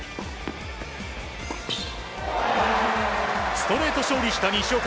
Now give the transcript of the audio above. ストレート勝利した西岡。